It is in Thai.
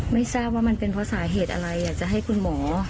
ไม่ทราบว่ามันเป็นเพราะสาเหตุอะไรอยากจะให้คุณหมอ